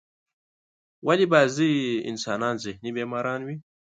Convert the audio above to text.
ولی بازی انسانان ذهنی بیماران وی ؟